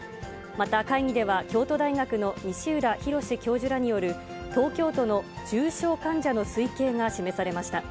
また、会議では、京都大学の西浦博教授らによる、東京都の重症患者の推計が示されました。